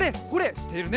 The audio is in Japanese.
しているね。